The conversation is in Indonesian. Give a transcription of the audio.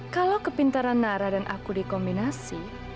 kalau kepintaran nara dan aku dikombinasi